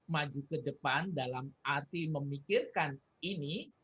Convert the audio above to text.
maju ke depan dalam arti memikirkan ini